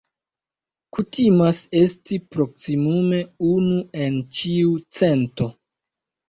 Kutimas esti proksimume unu en ĉiu cento.